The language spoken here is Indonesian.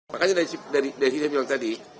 makanya dari situ saya bilang tadi